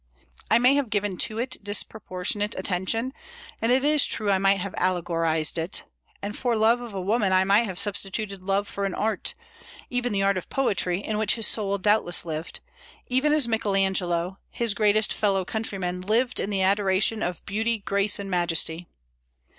I may have given to it disproportionate attention; and it is true I might have allegorized it, and for love of a woman I might have substituted love for an art, even the art of poetry, in which his soul doubtless lived, even as Michael Angelo, his greatest fellow countryman, lived in the adoration of beauty, grace, and majesty.